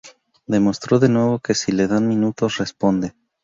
Demostró de nuevo que si se le dan minutos, responde.